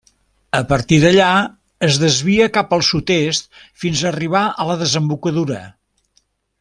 A partir d'allà es desvia cap al Sud-est fins a arribar a la desembocadura.